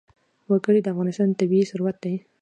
وګړي د افغانستان طبعي ثروت دی.